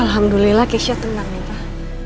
alhamdulillah keisha tenang nih pak